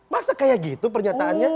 masa kayak gitu pernyataannya